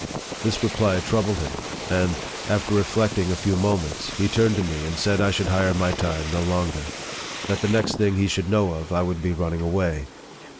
This reply troubled him ; and, after reflecting a few moments, he turned to me, and said I should hire my time no long er ; that the next thing he should know of, I would be running away.